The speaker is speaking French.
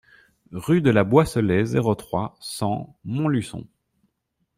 Rue de la Boisselée, zéro trois, cent Montluçon